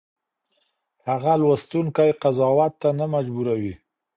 هغه لوستونکی قضاوت ته نه مجبوروي.